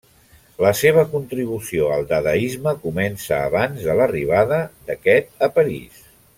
La seva contribució al Dadaisme comença abans de l'arribada d'aquest a Paris.